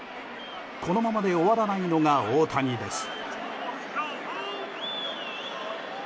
このままで終わらないのが大谷です。